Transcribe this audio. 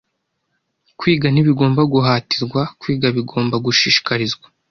Kwiga ntibigomba guhatirwa. Kwiga bigomba gushishikarizwa.